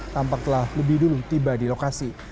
tampak telah lebih dulu tiba di lokasi